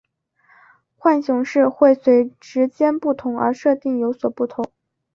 浣熊市会随时间不同而设定有所不同。